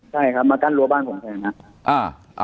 ใช่ครับมากั้นรั้วบ้านของเขานะครับ